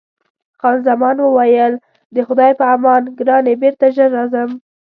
خان زمان وویل: د خدای په امان ګرانې، بېرته ژر راځم.